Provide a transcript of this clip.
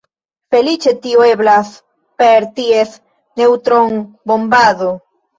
Feliĉe tio eblas per ties neŭtronbombado.